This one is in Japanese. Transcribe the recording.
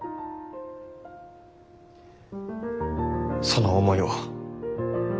その思いを。